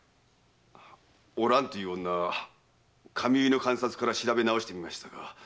お蘭という女髪結いの鑑札から調べ直してみましたが。